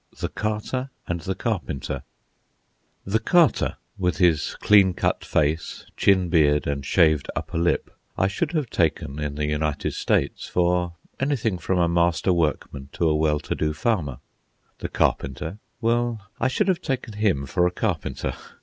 THE CARTER AND THE CARPENTER The Carter, with his clean cut face, chin beard, and shaved upper lip, I should have taken in the United States for anything from a master workman to a well to do farmer. The Carpenter—well, I should have taken him for a carpenter.